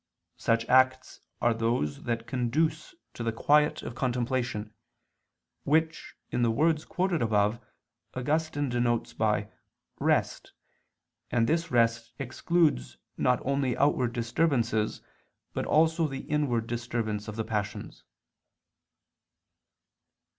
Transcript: Such acts are those that conduce to the quiet of contemplation, which in the words quoted above Augustine denotes by "rest," and this rest excludes not only outward disturbances but also the inward disturbance of the passions.